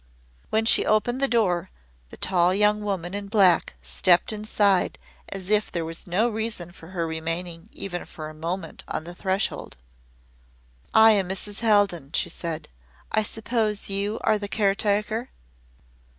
When she opened the door, the tall, young woman in black stepped inside as if there were no reason for her remaining even for a moment on the threshold. "I am Mrs. Haldon," she said. "I suppose you are the caretaker?"